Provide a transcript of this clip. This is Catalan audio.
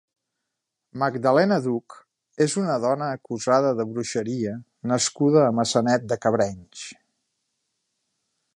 Magdalena Duch és una dona acusada de bruixeria nascuda a Maçanet de Cabrenys.